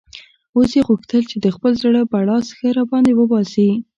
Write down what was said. اوس یې غوښتل چې د خپل زړه بړاس ښه را باندې وباسي.